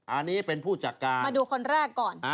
อันนี้เป็นผู้จัดการมาดูคนแรกก่อน